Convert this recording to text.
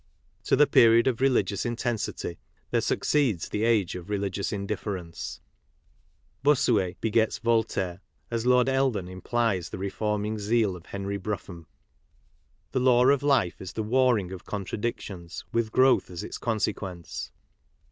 To the period of religious intensity there suc ceeds the age of religious indifference; Bossuet begets Voltaire, as Lord Eldon implies the reforming zeal of Henry Brougham. The law of life is the warring of contradictions, with growth as its consequence.